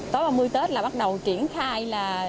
tối ba mươi tết là bắt đầu chuyển khai